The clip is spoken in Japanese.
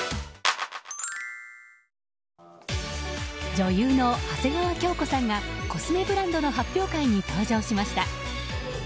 女優の長谷川京子さんがコスメブランドの発表会に登場しました。